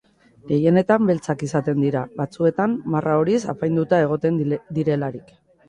Gehienetan beltzak izaten dira, batzuetan marra horiz apainduta egoten direlarik.